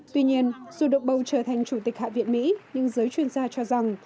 tuy nhiên dù được bầu trở thành chủ tịch hạ viện mỹ nhưng giới chuyên gia cho rằng